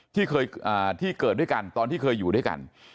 ที่เกิดด้วยกันตอนที่เคยอยู่ด้วยกัน